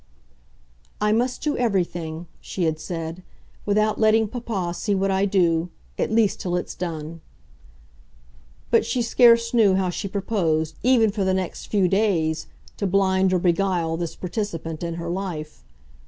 "I must do everything," she had said, "without letting papa see what I do at least till it's done!" but she scarce knew how she proposed, even for the next few days, to blind or beguile this participant in her life.